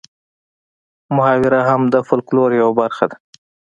محاوره هم د فولکلور یوه برخه ده